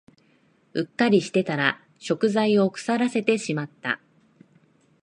うっかりしてたら食材を腐らせてしまった